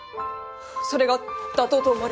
それが妥当と思われます。